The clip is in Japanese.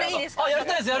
やりたいです。